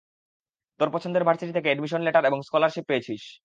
তোর পছন্দের ভার্সিটি থেকে এডমিশন লেটার এবং স্কলারশিপ পেয়েছিস।